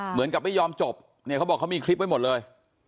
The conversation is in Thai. เหมือนกับไม่ยอมจบเขาบอกเขามีคลิปไว้หมดเลย